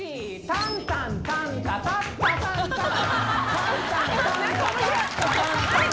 タンタンタンタタッタタンタン。